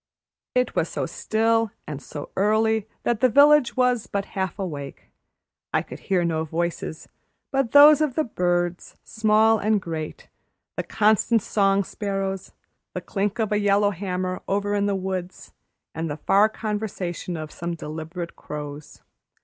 It was so still and so early that the village was but half awake. I could hear no voices but those of the birds, small and great, the constant song sparrows, the clink of a yellow hammer over in the woods, and the far conversation of some deliberate crows.